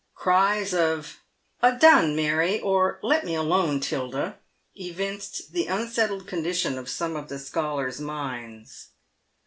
Cries of " Adone, Mary!" or, " Let me alone, Tilda!" evinced the unsettled condition of some of the scholars' minds.